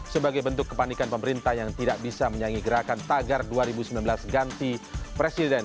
sebagai bentuk kepanikan pemerintah yang tidak bisa menyangi gerakan tagar dua ribu sembilan belas ganti presiden